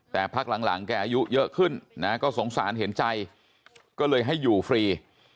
แต่พักหลังแกอายุเยอะขึ้นนะก็สงสารเห็นใจก็เลยให้อยู่ฟรี